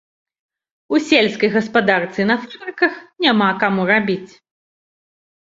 У сельскай гаспадарцы і на фабрыках няма каму рабіць.